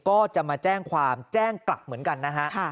ก็จะมาแจ้งความแจ้งกลับเหมือนกันนะฮะ